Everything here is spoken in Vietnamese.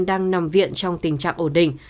đang nằm viện trong tình trạng ổn định